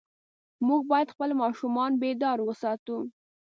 موږ باید خپل ماشومان بیدار وساتو.